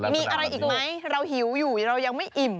มีอะไรอีกไหมเราหิวอยู่เรายังไม่อิ่ม